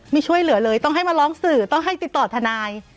ไม่ช่วยเหลือเลยต้องให้มาร้องสื่อต้องให้ติดต่อทนาย